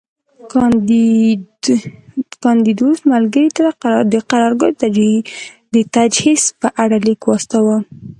کاندیدوس ملګري ته د قرارګاه د تجهیز په اړه لیک واستاوه